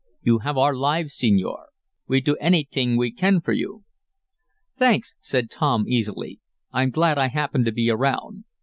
You have our lives, senor! We do anyt'ing we can for you." "Thanks," said Tom, easily. "I'm glad I happened to be around.